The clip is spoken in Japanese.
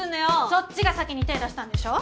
そっちが先に手出したんでしょ。